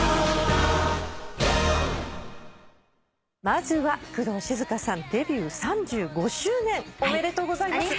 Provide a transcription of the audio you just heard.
まずは工藤静香さんデビュー３５周年おめでとうございます。